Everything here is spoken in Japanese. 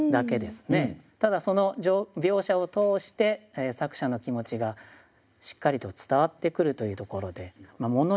ただその描写を通して作者の気持ちがしっかりと伝わってくるというところで。